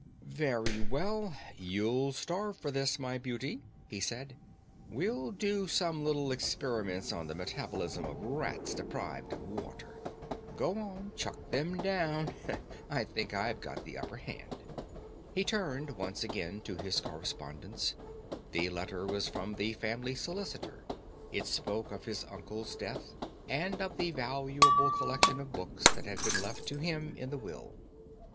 "Very well; you'll starve for this, my beauty!" he said. "We'll do some little experiments on the metabolism of rats deprived of water. Go on! Chuck them down! I think I've got the upper hand." He turned once again to his correspondence. The letter was from the family solicitor. It spoke of his uncle's death and of the valuable collection of books that had been left to him in the will.